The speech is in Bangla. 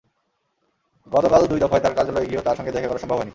গতকাল দুই দফায় তাঁর কার্যালয়ে গিয়েও তাঁর সঙ্গে দেখা করা সম্ভব হয়নি।